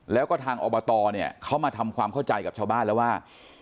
แล้วก็ทางอบตเนี่ยเขามาทำความเข้าใจกับชาวบ้านแล้วว่า